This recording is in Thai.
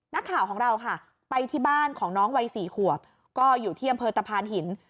นักข่าวของเราค่ะไปที่บ้านของน้องวัย๔ขวบก็อยู่ที่อำเภอตะพานหิน